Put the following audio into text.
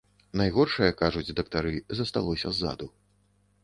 Найгоршае, кажуць дактары, засталося ззаду.